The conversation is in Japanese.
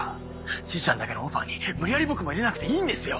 しずちゃんだけのオファーに無理やり僕も入れなくていいんですよ！